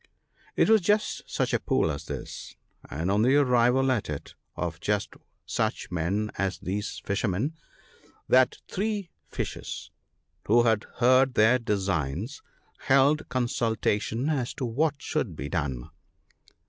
T was just such a pool as this, and on the arrival at it of just such men as these fisher men, that three fishes, who had heard their designs, held consultation as to what should be done.